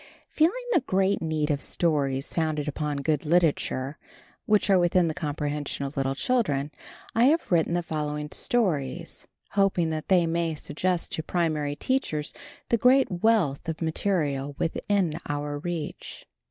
Feeling the great need of stories founded upon good literature, which are within the comprehension of little children, I have written the following stories, hoping that they may suggest to primary teachers the great wealth of material within our reach.